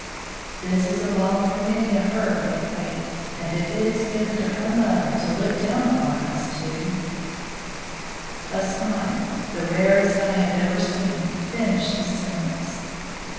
This is balm for many a hurt, Outhwaite, and if it is given to her mother to look down upon us two " A smile, the rarest I had ever seen, finished the sentence.